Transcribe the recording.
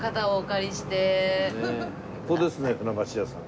ここですね船橋屋さん。